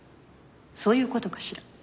そういう事かしら？